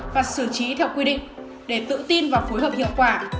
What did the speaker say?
và xử trí theo quy định để tự tin và phối hợp hiệu quả